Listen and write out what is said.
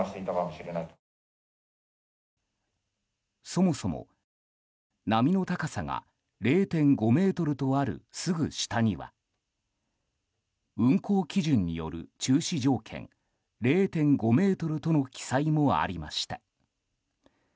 そもそも、波の高さが０．５ｍとある、すぐ下には運航基準による中止条件０．５ｍとの記載もありました。